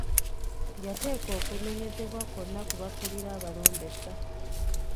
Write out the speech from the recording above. Yateeka okunenyezebwa kwonna ku bakulira abalondesa.